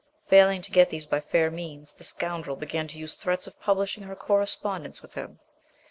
Failing to get these by fair means, the scoundrel began to use threats of publishing her correspondence with him.